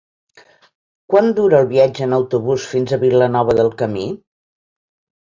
Quant dura el viatge en autobús fins a Vilanova del Camí?